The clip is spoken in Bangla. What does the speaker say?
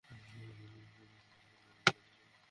ভিডিও কলে সরাসরি অনুষ্ঠানটা দেখবো।